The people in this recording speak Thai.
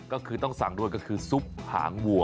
ก็คือต้องสั่งด้วยก็คือซุปหางวัว